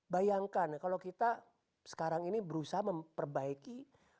bayangkan kalau kita sekarang ini berusaha memperbaiki